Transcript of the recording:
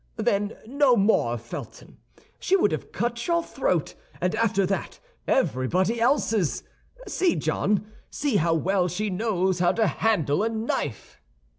Then no more of Felton; she would have cut your throat, and after that everybody else's. See, John, see how well she knows how to handle a knife."